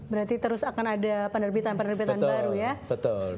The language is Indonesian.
berarti terus akan ada penerbitan penerbitan baru ya